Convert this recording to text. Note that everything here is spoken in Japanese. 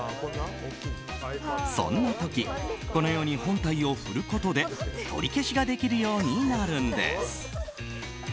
そんな時、このように本体を振ることで取り消しができるようになるんです。